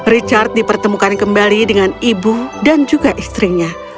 richard dipertemukan kembali dengan ibu dan juga istrinya